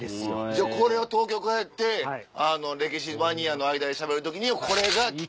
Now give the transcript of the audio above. じゃあこれを東京帰って歴史マニアの間でしゃべる時にこれが効くねや。